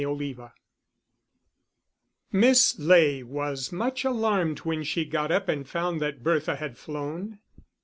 Chapter XXXIII Miss Ley was much alarmed when she got up and found that Bertha had flown.